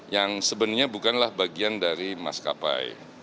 yang sebenarnya bukanlah bagian dari maskapai